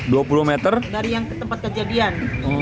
dari kejadian dari yang tempat kejadian